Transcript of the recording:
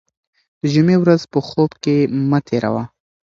د جمعې ورځ په خوب کې مه تېروه.